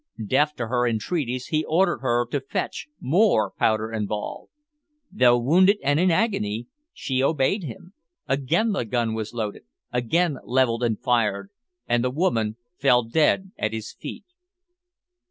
Deaf to her entreaties, he ordered her to fetch more powder and ball. Though wounded and in agony, she obeyed him. Again the gun was loaded, again levelled and fired, and the woman fell dead at his feet.